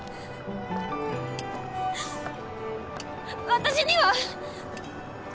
私には。